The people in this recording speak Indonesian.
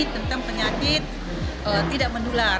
tentang penyakit tidak menular